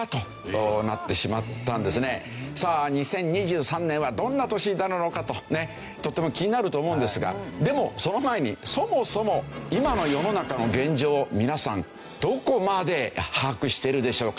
２０２３年はどんな年になるのかととっても気になると思うんですがでもその前にそもそも今の世の中の現状を皆さんどこまで把握してるでしょうか。